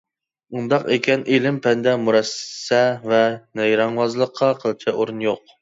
ئۇنداق ئىكەن ئىلىم-پەندە مۇرەسسە ۋە نەيرەڭۋازلىققا قىلچە ئورۇن يوق.